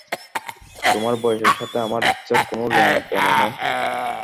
তোমার বয়সের সাথে আমার ইচ্ছার কোনো লেনাদেনা নেই।